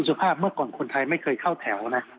สุภาพเมื่อก่อนคนไทยไม่เคยเข้าแถวนะ